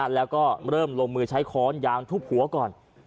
แล้วก็เริ่มลงมือใช้ค้อนยางทุบหัวก่อน